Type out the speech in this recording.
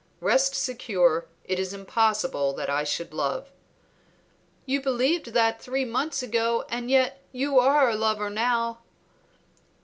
Rest secure; it is impossible that I should love." "You believed that three months ago and yet you are a lover now."